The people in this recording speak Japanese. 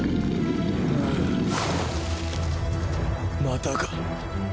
またか。